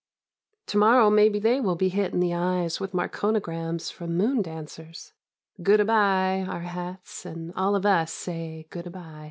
To morrow maybe they will be hit In the eyes with marconigrams From moon dancers. Good a by, our hats and all of us say good a by.